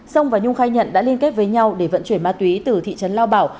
sông và nhung khai nhận đã liên kết với nhau để vận chuyển ma túy từ thị trấn lao bảo